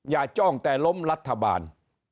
จ้องแต่ล้มรัฐบาล